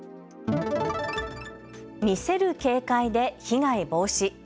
見せる警戒で被害防止。